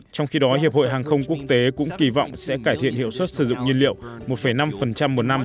trong khi đó hiệp hội hàng không quốc tế cũng kỳ vọng sẽ cải thiện hiệu suất sử dụng nhiên liệu một năm một năm